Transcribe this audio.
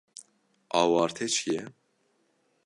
Awarte çi ye?